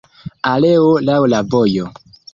Aleo laŭ la vojo.